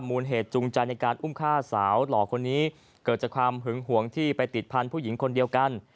มูลเหตุจูงใจในการอุ้มฆ่าสาวหล่อคนนี้เกิดจากความหึงห่วงที่ไปติดพันธุ์ผู้หญิงคนเดียวกัน